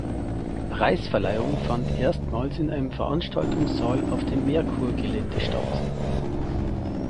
Preisverleihung fand erstmals in einem Veranstaltungssaal auf dem Merkur-Gelände statt.